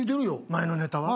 前のネタは？